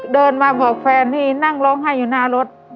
เดินมาบอกแฟนนี่นั่งร้องไห้อยู่หน้ารถ